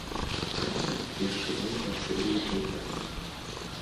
Праўда, першы бой прафсаюзы прайгралі.